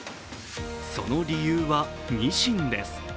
その理由はニシンです。